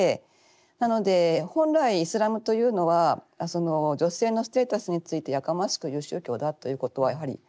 なので本来イスラムというのは女性のステータスについてやかましく言う宗教だということはやはり全く違う。